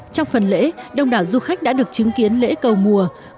trong phần lễ đông đảo du khách đã được chứng kiến lễ cầu mùa